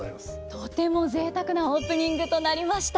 とてもぜいたくなオープニングとなりました。